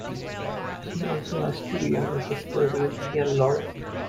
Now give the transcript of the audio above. She also has two younger sisters, Lynsey and Lauren.